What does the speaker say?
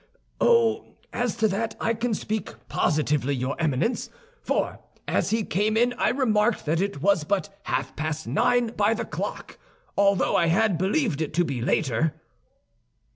"Oh, as to that I can speak positively, your Eminence; for as he came in I remarked that it was but half past nine by the clock, although I had believed it to be later."